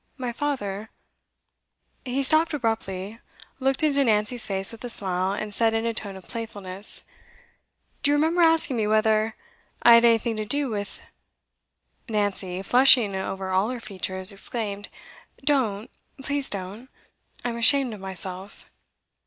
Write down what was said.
My father ' He stopped abruptly, looked into Nancy's face with a smile, and said in a tone of playfulness: 'Do you remember asking me whether I had anything to do with ' Nancy, flushing over all her features, exclaimed, 'Don't! please don't! I'm ashamed of myself!